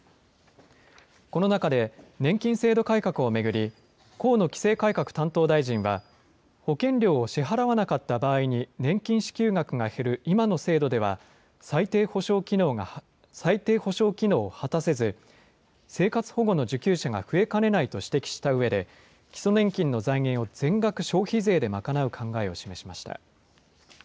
この中で、年金制度改革を巡り、河野規制改革担当大臣は、保険料を支払わなかった場合に年金支給額が減る今の制度では、最低保障機能を果たせず、生活保護の受給者が増えかねないと指摘したうえで、基礎年金の財源を全額消費税で賄う考えを示しました。